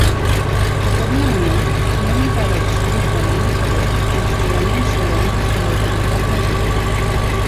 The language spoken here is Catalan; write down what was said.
Aquest manament no impedeix l'ús del nom de Déu als juraments solemnes de l'autoritat legítima.